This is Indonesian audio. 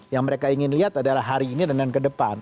yang mereka ingin lihat adalah hari ini dan ke depan